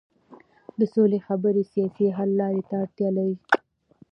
د سولې خبرې سیاسي حل لارې ته اړتیا لري